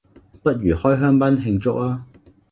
不如開香檳慶祝吖？